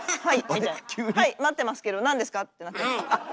「はい待ってますけど何ですか？」ってなったり。